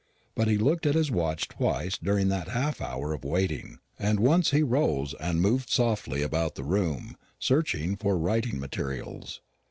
But he looked at his watch twice during that half hour of waiting; and once he rose and moved softly about the room, searching for writing materials.